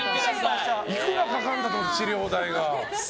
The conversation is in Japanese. いくらかかるんだと思って治療代が。